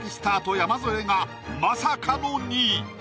山添がまさかの２位。